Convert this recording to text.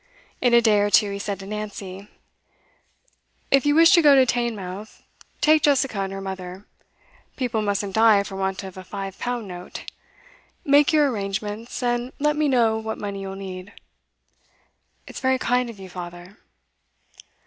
In a day or two he said to Nancy: 'If you wish to go to Teignmouth, take Jessica and her mother. People mustn't die for want of a five pound note. Make your arrangements, and let me know what money you'll need.' 'It's very kind of you, father.